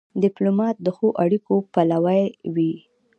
ډيپلومات د ښو اړیکو پلوی وي.